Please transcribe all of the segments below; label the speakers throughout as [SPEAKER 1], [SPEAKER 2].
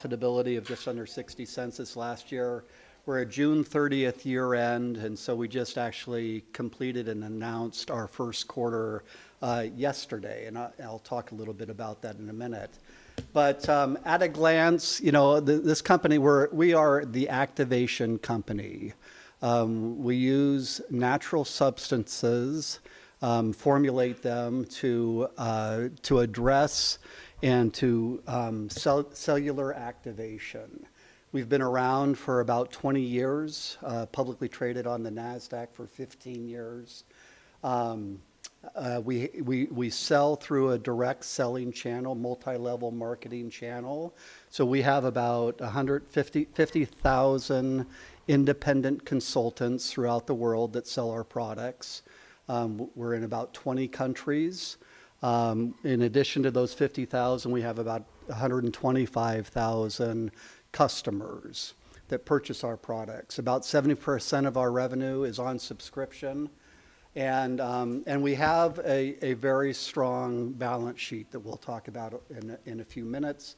[SPEAKER 1] Profitability of just under $0.60 this last year. We're at June 30th year-end, and so we just actually completed and announced our first quarter yesterday, and I'll talk a little bit about that in a minute. But at a glance, you know, this company, we are the activation company. We use natural substances, formulate them to address and to cellular activation. We've been around for about 20 years, publicly traded on the Nasdaq for 15 years. We sell through a direct selling channel, multi-level marketing channel. So we have about 150,000 independent consultants throughout the world that sell our products. We're in about 20 countries. In addition to those 50,000, we have about 125,000 customers that purchase our products. About 70% of our revenue is on subscription. And we have a very strong balance sheet that we'll talk about in a few minutes.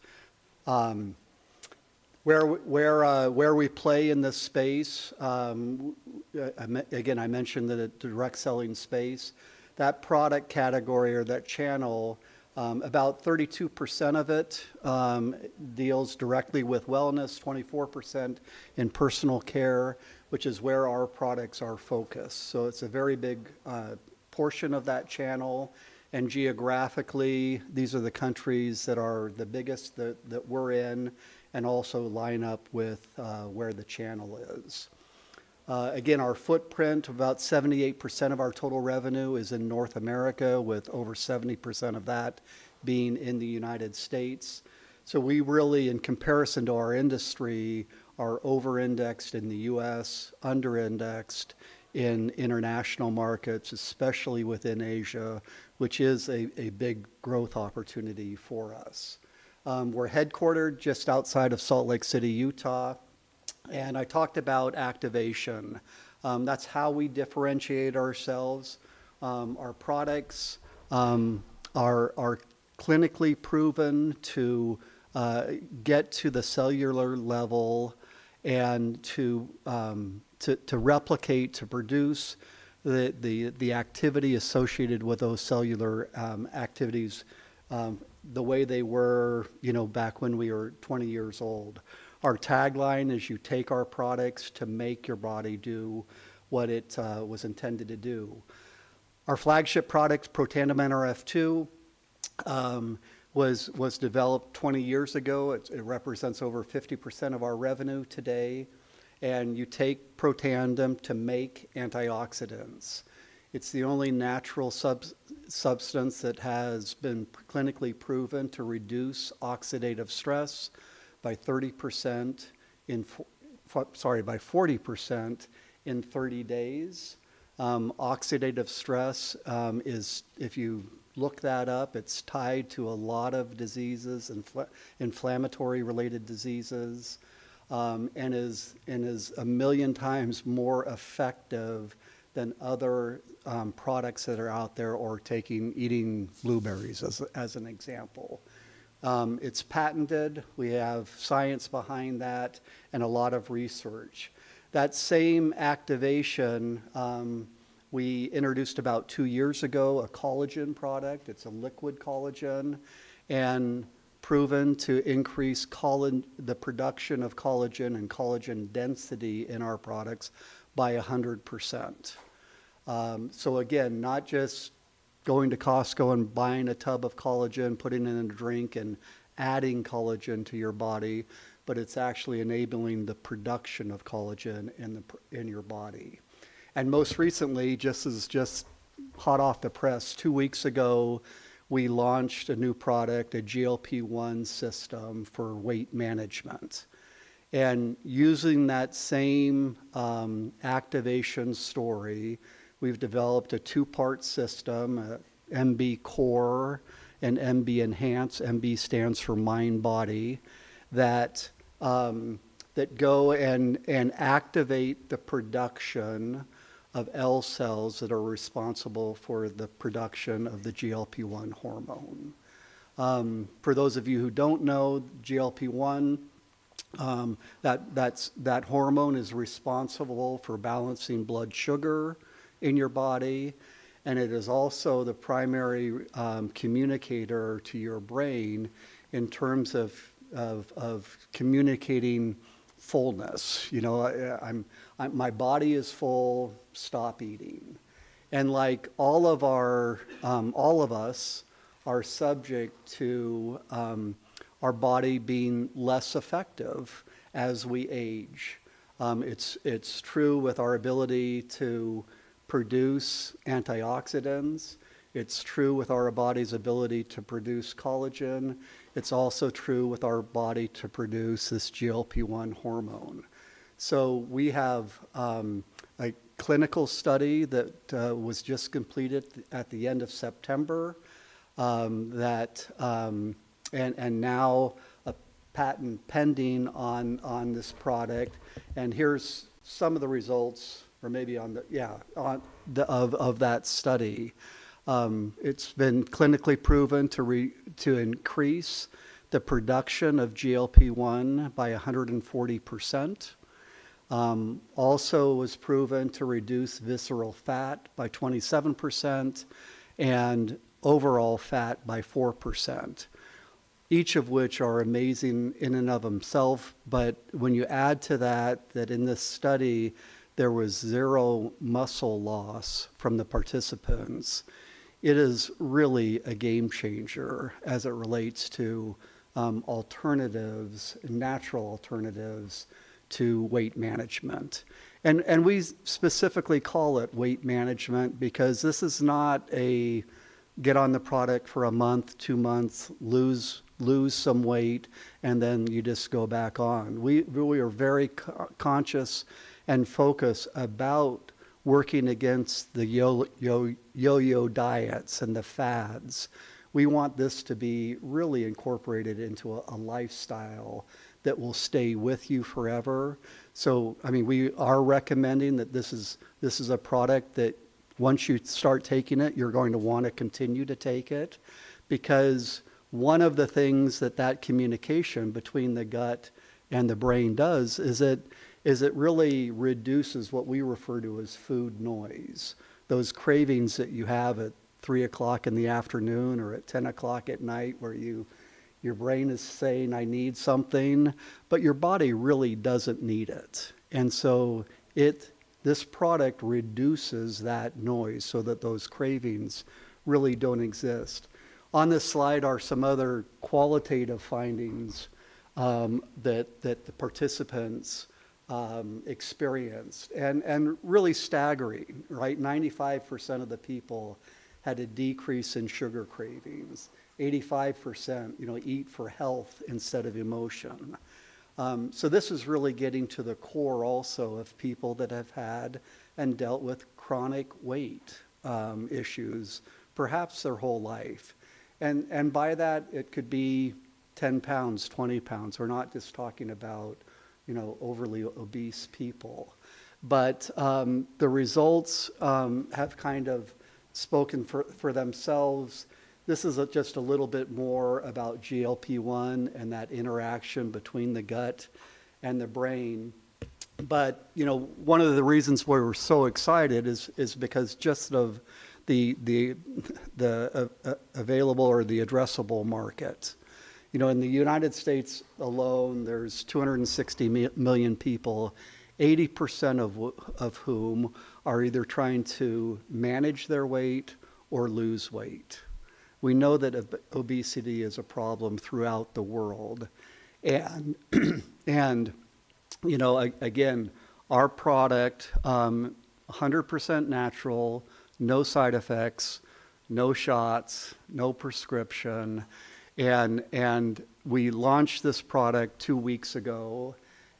[SPEAKER 1] Where we play in this space, again, I mentioned that it's a direct selling space. That product category or that channel, about 32% of it deals directly with wellness, 24% in personal care, which is where our products are focused. So it's a very big portion of that channel. And geographically, these are the countries that are the biggest that we're in and also line up with where the channel is. Again, our footprint, about 78% of our total revenue is in North America, with over 70% of that being in the United States. So we really, in comparison to our industry, are over-indexed in the U.S., under-indexed in international markets, especially within Asia, which is a big growth opportunity for us. We're headquartered just outside of Salt Lake City, Utah. And I talked about activation. That's how we differentiate ourselves. Our products are clinically proven to get to the cellular level and to replicate, to produce the activity associated with those cellular activities the way they were back when we were 20 years old. Our tagline is, "You take our products to make your body do what it was intended to do." Our flagship product, Protandim Nrf2, was developed 20 years ago. It represents over 50% of our revenue today, and you take Protandim Nrf2 to make antioxidants. It's the only natural substance that has been clinically proven to reduce oxidative stress by 30%, sorry, by 40% in 30 days. Oxidative stress is, if you look that up, it's tied to a lot of diseases, inflammatory-related diseases, and is a million times more effective than other products that are out there or taking, eating blueberries as an example. It's patented. We have science behind that and a lot of research. That same activation, we introduced about two years ago, a collagen product. It's a liquid collagen and proven to increase the production of collagen and collagen density in our products by 100%. So again, not just going to Costco and buying a tub of collagen, putting it in a drink, and adding collagen to your body, but it's actually enabling the production of collagen in your body. And most recently, just hot off the press, two weeks ago, we launched a new product, a GLP-1 system for weight management. And using that same activation story, we've developed a two-part system, MB Core and MB Enhance. MB stands for Mind-Body, that go and activate the production of L cells that are responsible for the production of the GLP-1 hormone. For those of you who don't know, GLP-1, that hormone is responsible for balancing blood sugar in your body. It is also the primary communicator to your brain in terms of communicating fullness. You know, my body is full, stop eating. Like all of us are subject to our body being less effective as we age. It's true with our ability to produce antioxidants. It's true with our body's ability to produce collagen. It's also true with our body to produce this GLP-1 hormone. We have a clinical study that was just completed at the end of September, and now a patent pending on this product. Here's some of the results of that study. It's been clinically proven to increase the production of GLP-1 by 140%. It also was proven to reduce visceral fat by 27% and overall fat by 4%, each of which are amazing in and of themselves. But when you add to that, that in this study, there was zero muscle loss from the participants, it is really a game changer as it relates to alternatives, natural alternatives to weight management. And we specifically call it weight management because this is not a get on the product for a month, two months, lose some weight, and then you just go back on. We are very conscious and focused about working against the yo-yo diets and the fads. We want this to be really incorporated into a lifestyle that will stay with you forever. So, I mean, we are recommending that this is a product that once you start taking it, you're going to want to continue to take it because one of the things that that communication between the gut and the brain does is it really reduces what we refer to as food noise, those cravings that you have at 3:00 P.M. or at 10:00 P.M. where your brain is saying, "I need something," but your body really doesn't need it. And so this product reduces that noise so that those cravings really don't exist. On this slide are some other qualitative findings that the participants experienced. And really staggering, right? 95% of the people had a decrease in sugar cravings. 85%, you know, eat for health instead of emotion. So this is really getting to the core also of people that have had and dealt with chronic weight issues, perhaps their whole life. And by that, it could be 10 pounds, 20 pounds. We're not just talking about, you know, overly obese people. But the results have kind of spoken for themselves. This is just a little bit more about GLP-1 and that interaction between the gut and the brain. But, you know, one of the reasons why we're so excited is because just of the available or the addressable market. You know, in the United States alone, there's 260 million people, 80% of whom are either trying to manage their weight or lose weight. We know that obesity is a problem throughout the world. And, you know, again, our product, 100% natural, no side effects, no shots, no prescription. And we launched this product two weeks ago.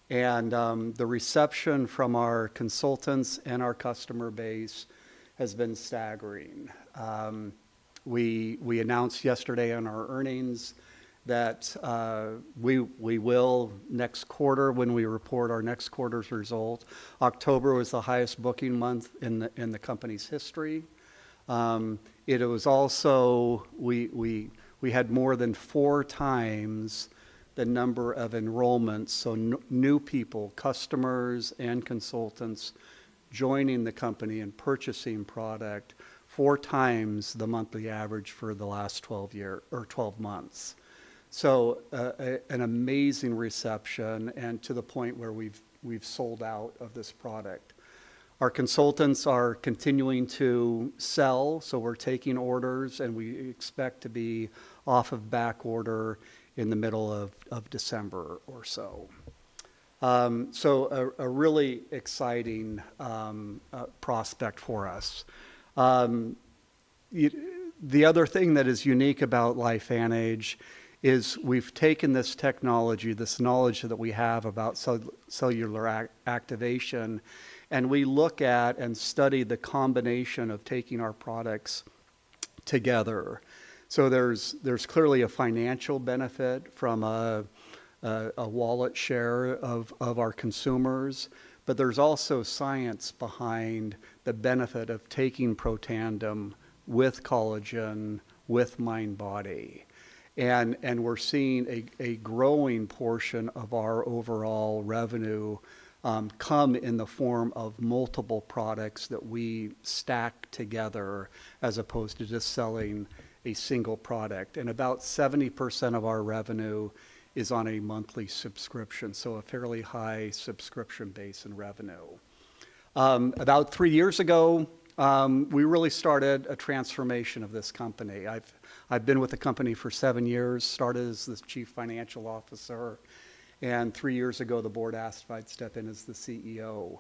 [SPEAKER 1] The reception from our consultants and our customer base has been staggering. We announced yesterday in our earnings that we will next quarter when we report our next quarter's result. October was the highest booking month in the company's history. It was also we had more than four times the number of enrollments. New people, customers and consultants joining the company and purchasing product, four times the monthly average for the last 12 months. An amazing reception and to the point where we've sold out of this product. Our consultants are continuing to sell. We're taking orders and we expect to be off of back order in the middle of December or so. A really exciting prospect for us. The other thing that is unique about LifeVantage is we've taken this technology, this knowledge that we have about cellular activation, and we look at and study the combination of taking our products together so there's clearly a financial benefit from a wallet share of our consumers, but there's also science behind the benefit of taking Protandim Nrf2 with collagen, with MindBody, and we're seeing a growing portion of our overall revenue come in the form of multiple products that we stack together as opposed to just selling a single product. And about 70% of our revenue is on a monthly subscription so a fairly high subscription base and revenue. About three years ago, we really started a transformation of this company. I've been with the company for seven years, started as the Chief Financial Officer and three years ago, the board asked if I'd step in as the CEO.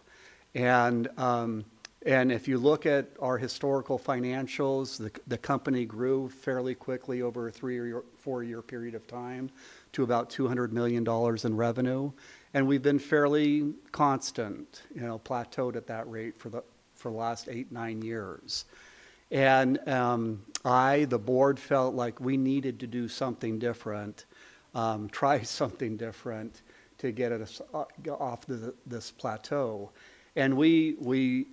[SPEAKER 1] If you look at our historical financials, the company grew fairly quickly over a three- or four-year period of time to about $200 million in revenue. We've been fairly constant, you know, plateaued at that rate for the last eight, nine years. I, the board, felt like we needed to do something different, try something different to get us off this plateau. We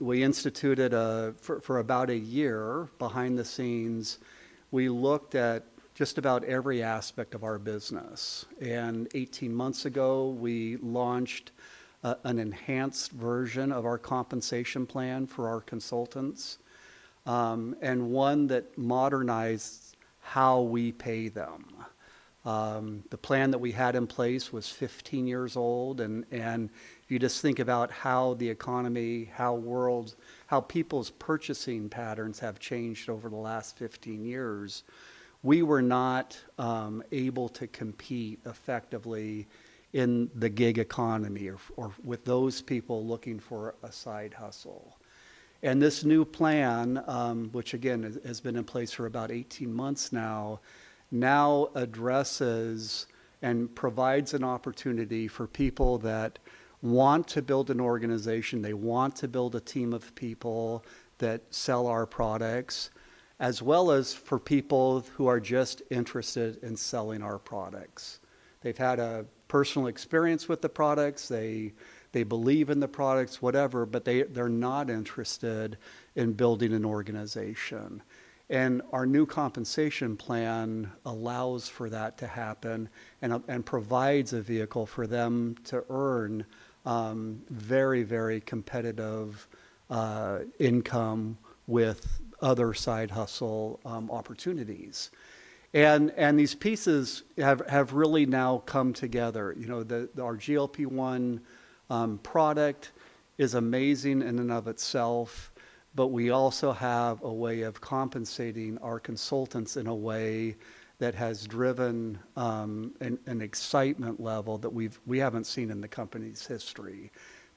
[SPEAKER 1] instituted for about a year behind the scenes, we looked at just about every aspect of our business. Eighteen months ago, we launched an enhanced version of our compensation plan for our consultants and one that modernized how we pay them. The plan that we had in place was 15 years old. You just think about how the economy, how the world, how people's purchasing patterns have changed over the last 15 years. We were not able to compete effectively in the gig economy or with those people looking for a side hustle. And this new plan, which again has been in place for about 18 months now, now addresses and provides an opportunity for people that want to build an organization. They want to build a team of people that sell our products, as well as for people who are just interested in selling our products. They've had a personal experience with the products. They believe in the products, whatever, but they're not interested in building an organization. And our new compensation plan allows for that to happen and provides a vehicle for them to earn very, very competitive income with other side hustle opportunities. And these pieces have really now come together. You know, our GLP-1 product is amazing in and of itself, but we also have a way of compensating our consultants in a way that has driven an excitement level that we haven't seen in the company's history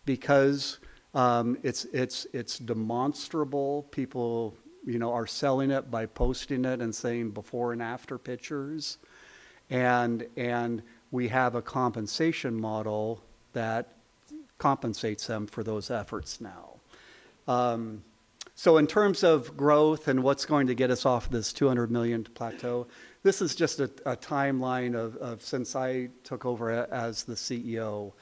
[SPEAKER 1] because it's demonstrable. People, you know, are selling it by posting it and saying before and after pictures, and we have a compensation model that compensates them for those efforts now, so in terms of growth and what's going to get us off this $200 million plateau, this is just a timeline of since I took over as the CEO,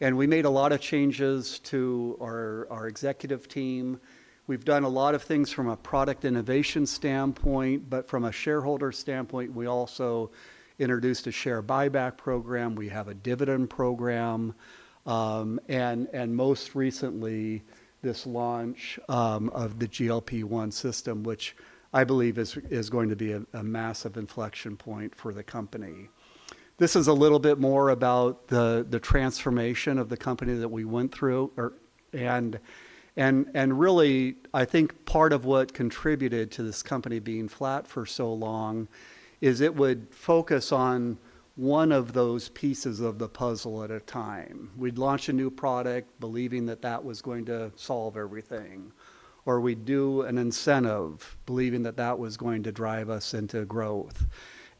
[SPEAKER 1] and we made a lot of changes to our executive team. We've done a lot of things from a product innovation standpoint, but from a shareholder standpoint, we also introduced a share buyback program. We have a dividend program. And most recently, this launch of the GLP-1 system, which I believe is going to be a massive inflection point for the company. This is a little bit more about the transformation of the company that we went through. And really, I think part of what contributed to this company being flat for so long is it would focus on one of those pieces of the puzzle at a time. We'd launch a new product believing that that was going to solve everything, or we'd do an incentive believing that that was going to drive us into growth.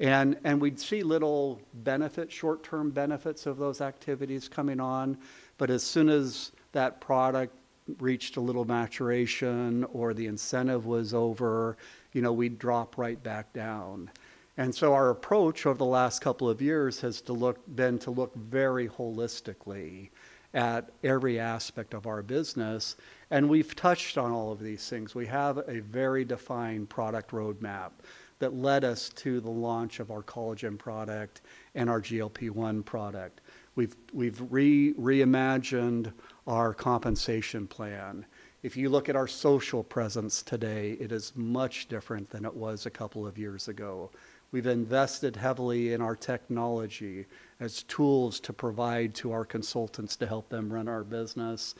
[SPEAKER 1] And we'd see little benefits, short-term benefits of those activities coming on. But as soon as that product reached a little maturation or the incentive was over, you know, we'd drop right back down. And so our approach over the last couple of years has been to look very holistically at every aspect of our business. And we've touched on all of these things. We have a very defined product roadmap that led us to the launch of our collagen product and our GLP-1 product. We've reimagined our compensation plan. If you look at our social presence today, it is much different than it was a couple of years ago. We've invested heavily in our technology as tools to provide to our consultants to help them run our business.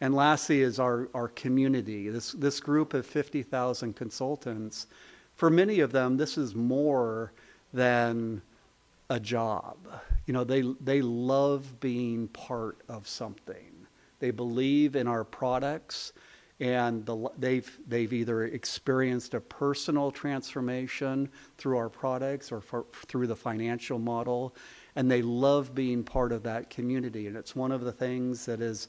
[SPEAKER 1] And lastly is our community. This group of 50,000 consultants, for many of them, this is more than a job. You know, they love being part of something. They believe in our products, and they've either experienced a personal transformation through our products or through the financial model. They love being part of that community. And it's one of the things that is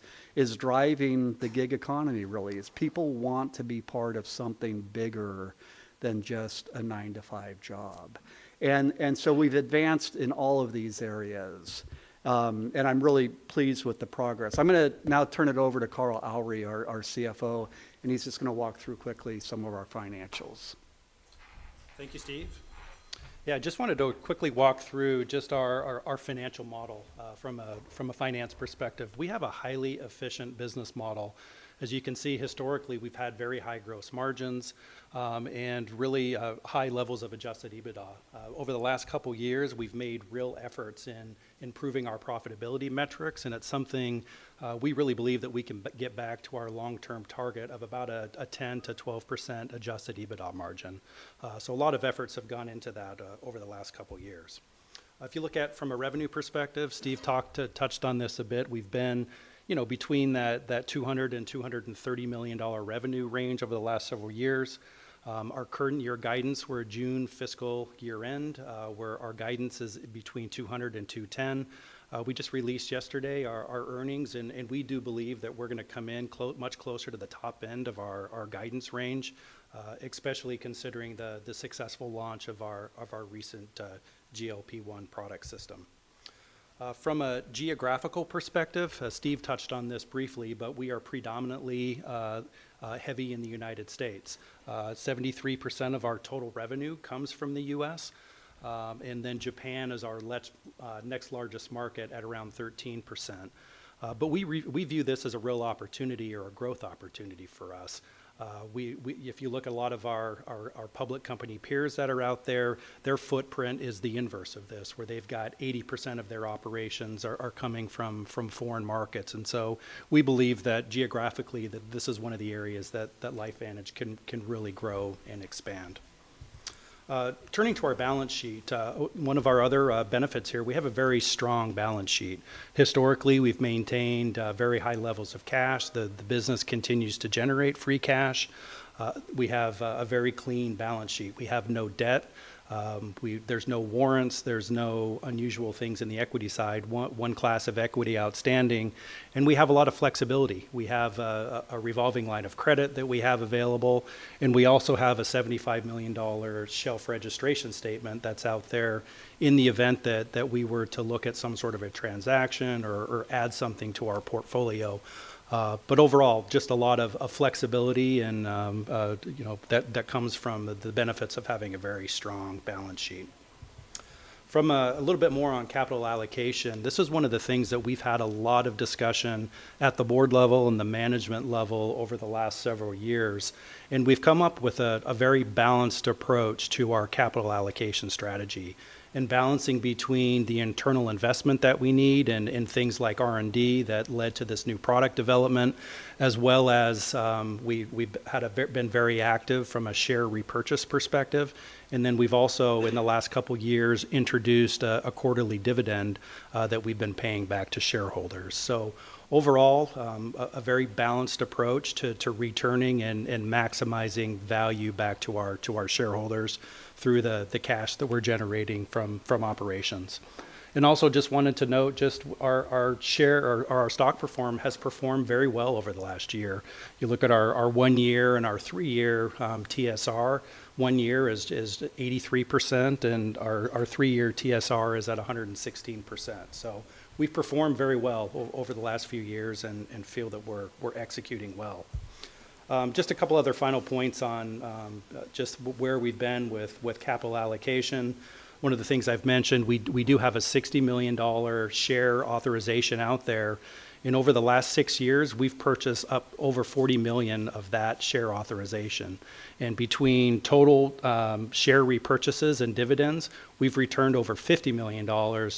[SPEAKER 1] driving the gig economy, really, is people want to be part of something bigger than just a nine-to-five job. And so we've advanced in all of these areas. And I'm really pleased with the progress. I'm going to now turn it over to Carl Aure, our CFO, and he's just going to walk through quickly some of our financials.
[SPEAKER 2] Thank you, Steve. Yeah, I just wanted to quickly walk through just our financial model from a finance perspective. We have a highly efficient business model. As you can see, historically, we've had very high gross margins and really high levels of Adjusted EBITDA. Over the last couple of years, we've made real efforts in improving our profitability metrics. It's something we really believe that we can get back to our long-term target of about a 10%-12% adjusted EBITDA margin. A lot of efforts have gone into that over the last couple of years. If you look at from a revenue perspective, Steve touched on this a bit. We've been, you know, between that $200 million and $230 million revenue range over the last several years. Our current year guidance, we're June fiscal year-end, where our guidance is between $200 million and $210 million. We just released yesterday our earnings, and we do believe that we're going to come in much closer to the top end of our guidance range, especially considering the successful launch of our recent GLP-1 product system. From a geographical perspective, Steve touched on this briefly, but we are predominantly heavy in the United States. 73% of our total revenue comes from the U.S. Japan is our next largest market at around 13%. But we view this as a real opportunity or a growth opportunity for us. If you look at a lot of our public company peers that are out there, their footprint is the inverse of this, where they've got 80% of their operations are coming from foreign markets. And so we believe that geographically, this is one of the areas that LifeVantage can really grow and expand. Turning to our balance sheet, one of our other benefits here, we have a very strong balance sheet. Historically, we've maintained very high levels of cash. The business continues to generate free cash. We have a very clean balance sheet. We have no debt. There's no warrants. There's no unusual things in the equity side. One class of equity outstanding. And we have a lot of flexibility. We have a revolving line of credit that we have available. And we also have a $75 million shelf registration statement that's out there in the event that we were to look at some sort of a transaction or add something to our portfolio. But overall, just a lot of flexibility and, you know, that comes from the benefits of having a very strong balance sheet. From a little bit more on capital allocation, this is one of the things that we've had a lot of discussion at the board level and the management level over the last several years. And we've come up with a very balanced approach to our capital allocation strategy and balancing between the internal investment that we need and things like R&D that led to this new product development, as well as we've been very active from a share repurchase perspective. Then we've also, in the last couple of years, introduced a quarterly dividend that we've been paying back to shareholders. So overall, a very balanced approach to returning and maximizing value back to our shareholders through the cash that we're generating from operations. And also just wanted to note just our share or our stock performance has performed very well over the last year. You look at our one-year and our three-year TSR, one-year is 83% and our three-year TSR is at 116%. So we've performed very well over the last few years and feel that we're executing well. Just a couple of other final points on just where we've been with capital allocation. One of the things I've mentioned, we do have a $60 million share authorization out there. And over the last six years, we've purchased up over $40 million of that share authorization. Between total share repurchases and dividends, we've returned over $50 million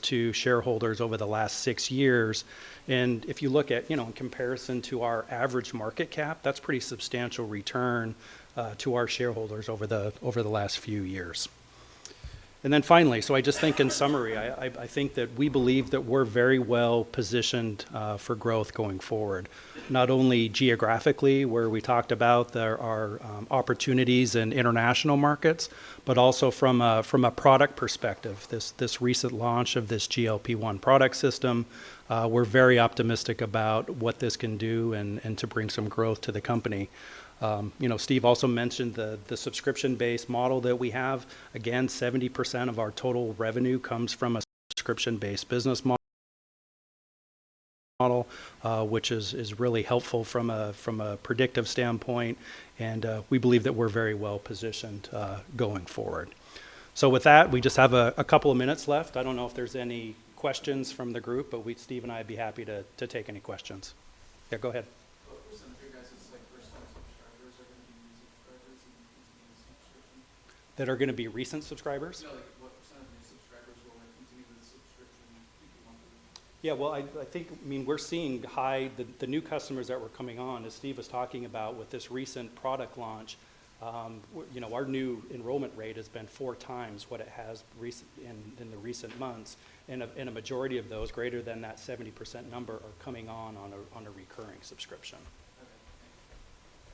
[SPEAKER 2] to shareholders over the last six years. If you look at, you know, in comparison to our average market cap, that's a pretty substantial return to our shareholders over the last few years. Finally, so I just think in summary, I think that we believe that we're very well positioned for growth going forward. Not only geographically, where we talked about there are opportunities in international markets, but also from a product perspective, this recent launch of this GLP-1 product system, we're very optimistic about what this can do and to bring some growth to the company. You know, Steve also mentioned the subscription-based model that we have. Again, 70% of our total revenue comes from a subscription-based business model, which is really helpful from a predictive standpoint. We believe that we're very well positioned going forward. With that, we just have a couple of minutes left. I don't know if there's any questions from the group, but Steve and I would be happy to take any questions. Yeah, go ahead.
[SPEAKER 3] What percentage of you guys would say first-time subscribers are going to be recent subscribers and continue with subscription?
[SPEAKER 2] That are going to be recent subscribers?
[SPEAKER 3] No, like what percentage of new subscribers will continue with subscription if you want them to?
[SPEAKER 2] Yeah, well, I think, I mean, we're seeing high the new customers that were coming on, as Steve was talking about with this recent product launch, you know, our new enrollment rate has been four times what it has in the recent months. A majority of those greater than that 70% number are coming on a recurring subscription.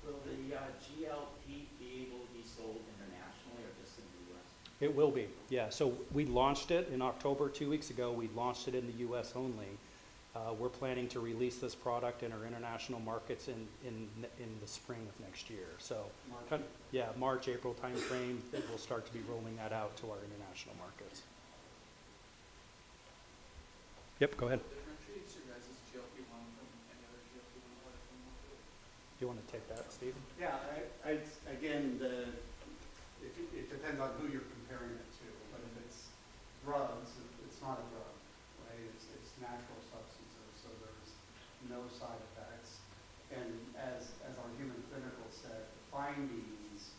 [SPEAKER 4] Will the GLP be able to be sold internationally or just in the U.S.?
[SPEAKER 2] It will be, yeah. So we launched it in October, two weeks ago. We launched it in the U.S. only. We're planning to release this product in our international markets in the spring of next year. So.
[SPEAKER 4] March?
[SPEAKER 2] Yeah, March, April timeframe, we'll start to be rolling that out to our international markets. Yep, go ahead.
[SPEAKER 3] Differentiates your guys' GLP-1 from any other GLP-1 product in the market?
[SPEAKER 2] Do you want to take that, Steve?
[SPEAKER 1] Yeah, again, it depends on who you're comparing it to. But if it's drugs, it's not a drug, right? It's natural substances, so there's no side effects. And as our human clinical said, the findings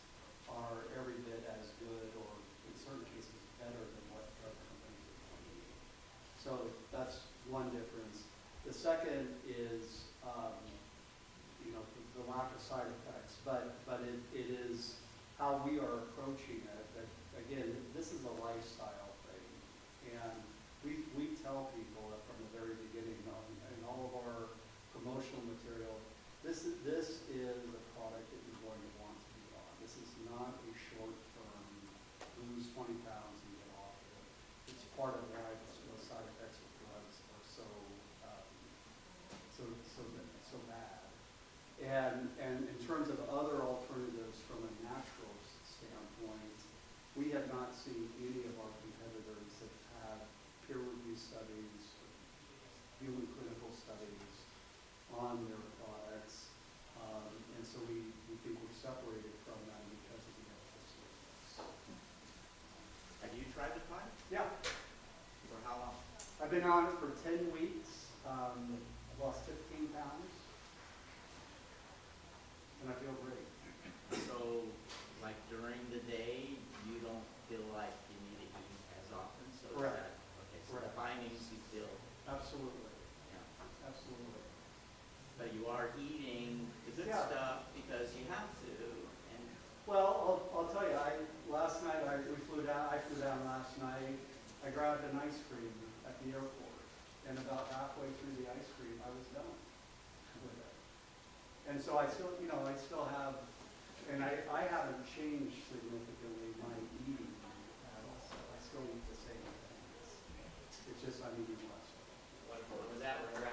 [SPEAKER 1] are every bit as good or, in certain cases, better than what drug companies would find. So that's one difference. The second is, you know, the lack of side effects. But it is how we are approaching it that, again, this is a lifestyle thing. And we tell people from the very beginning, in all of our promotional material, this is a product that you're going to want to be on. This is not a short-term lose 20 pounds and get off of it. It's part of why the side effects of drugs are so bad. And in terms of other alternatives from a natural standpoint, we have not seen any of our competitors that have peer-reviewed studies, human clinical studies on their products. And so we think we're separated from them because of the adverse effects.
[SPEAKER 3] Have you tried the product?
[SPEAKER 2] Yeah.
[SPEAKER 3] For how long?
[SPEAKER 2] I've been on it for 10 weeks. I've lost 15 pounds. And I feel great.
[SPEAKER 3] So, like during the day, you don't feel like you need to eat as often?
[SPEAKER 2] Correct.
[SPEAKER 3] So is that okay, so the findings you feel?
[SPEAKER 2] Absolutely.
[SPEAKER 3] Yeah.
[SPEAKER 2] Absolutely.
[SPEAKER 3] But you are eating good stuff because you have to.
[SPEAKER 2] Well, I'll tell you, last night I flew down last night. I grabbed an ice cream at the airport. And about halfway through the ice cream, I was done. And so I still, you know, I still have. And I haven't changed significantly